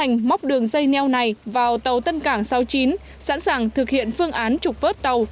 các thiết bị chuyên dụng móc đường dây neo này vào tàu tân cảng sáu mươi chín sẵn sàng thực hiện phương án trục vớt tàu